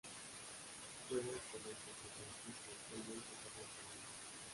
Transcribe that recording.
Juega como centrocampista actualmente es Agente libre.